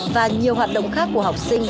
và nhiều hoạt động khác của học sinh